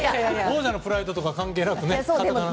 王者のプライドとか関係なくね。